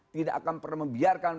tidak akan pernah membiarkan